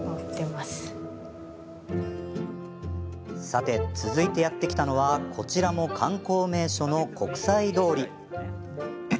さて、続いてやって来たのはこちらも観光名所の国際通り。